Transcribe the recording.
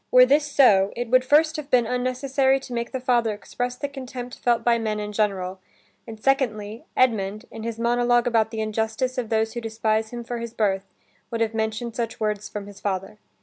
Were this so, it would first have been unnecessary to make the father express the contempt felt by men in general, and, secondly, Edmund, in his monolog about the injustice of those who despise him for his birth, would have mentioned such words from his father.